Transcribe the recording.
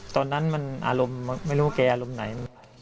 ตอนนั้นมันอารมณ์ไม่รู้แกอารมณ์ไหน